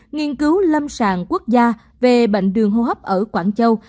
nghiên cứu lâm sàng quốc gia về bệnh đường hô hấp ở quảng châu